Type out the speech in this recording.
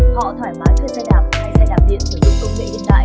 họ thoải mái thuê xe đạp hay xe đạp điện sử dụng công nghệ hiện đại